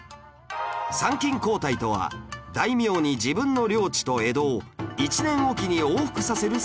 参勤交代とは大名に自分の領地と江戸を１年おきに往復させる制度